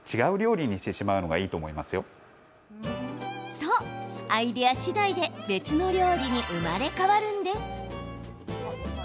そう、アイデア次第で別の料理に生まれ変わるんです。